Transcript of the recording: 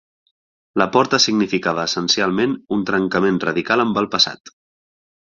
Laporta significava essencialment un trencament radical amb el passat.